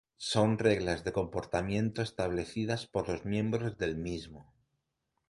Son reglas de comportamiento establecidas por los miembros del mismo.